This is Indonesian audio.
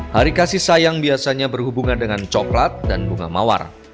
hari kasih sayang biasanya berhubungan dengan coklat dan bunga mawar